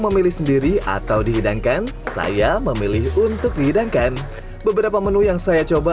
memilih sendiri atau dihidangkan saya memilih untuk dihidangkan beberapa menu yang saya coba